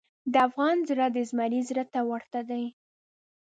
د افغان زړه د زمري زړه ته ورته دی.